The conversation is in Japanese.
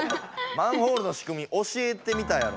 「マンホールのしくみ教えてみた」やろ。